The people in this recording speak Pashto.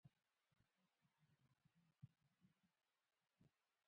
ژورې سرچینې د افغانستان په هره برخه کې موندل کېږي.